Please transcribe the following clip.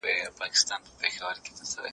اسټروېډونه د ځمکې لپاره د خطر ارزونه اسانه کوي.